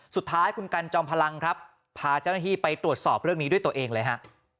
สุดท้ายคุณกันจอมพลังครับพาเจ้าหน้าที่ไปตรวจสอบเรื่องนี้ด้วยตัวเองเลยฮะ